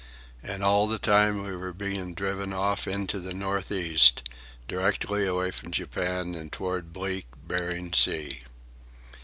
And all the time we were being driven off into the north east, directly away from Japan and toward bleak Bering Sea.